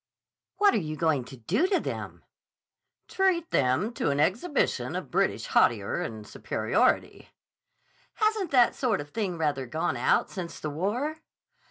"What are you going to do to them?" "Treat them to an exhibition of British hauteur and superiority." "Hasn't that sort of thing rather gone out since the war?"